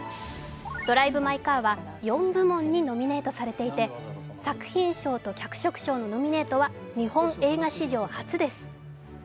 「ドライブ・マイ・カー」は４部門にノミネートされていて作品賞と脚色賞のノミネートは日本映画史上初です。